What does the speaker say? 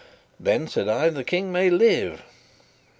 "Then," said I, "the King may live."